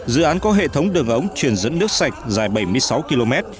dự án có hệ thống đường ống truyền dẫn nước sạch dài bảy mươi sáu km